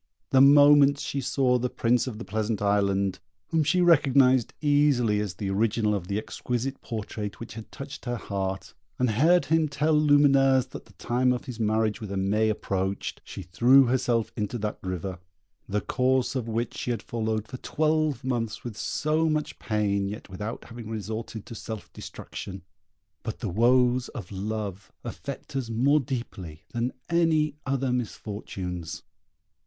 The moment she saw the Prince of the Pleasant Island, whom she recognised easily as the original of the exquisite portrait which had touched her heart, and heard him tell Lumineuse that the time of his marriage with Aimée approached, she threw herself into that river, the course of which she had followed for twelve months with so much pain, yet without having resorted to self destruction; but the woes of love affect us more deeply than any other misfortunes.